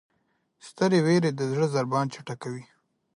سترې وېرې د زړه ضربان چټکوي.